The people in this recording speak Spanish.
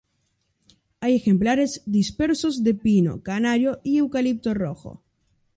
Hay ejemplares dispersos de pino canario y eucalipto rojo.